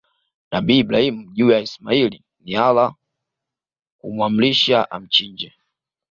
nabii Ibrahim juu ya Ismail ni Allah kumuamrisha amchinje